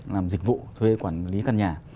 làm dịch vụ thuê quản lý căn nhà